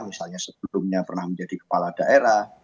misalnya sebelumnya pernah menjadi kepala daerah